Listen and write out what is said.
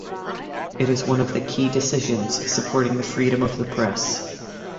It is one of the key decisions supporting the freedom of the press.